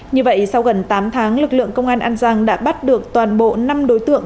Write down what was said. như vậy sau gần tám tháng lực lượng công an an giang đã bắt được toàn bộ năm đối tượng